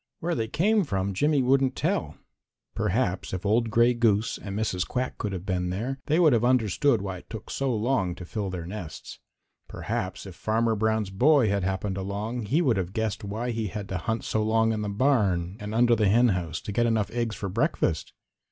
Where they came from Jimmy wouldn't tell. Perhaps if old Gray Goose and Mrs. Quack could have been there, they would have understood why it took so long to fill their nests. Perhaps if Farmer Brown's boy had happened along, he would have guessed why he had to hunt so long in the barn and under the henhouse to get enough eggs for breakfast.